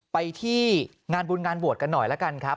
ไปที่งานบูรณ์งานโบรธกันหน่อยแล้วกันครับ